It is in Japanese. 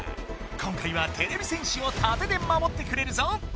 今回はてれび戦士をたてでまもってくれるぞ。